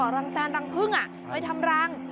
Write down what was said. รังแตนรังพึ่งไปทำรัง